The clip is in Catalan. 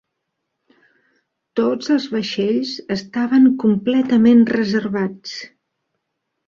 Tots els vaixells estaven completament reservats.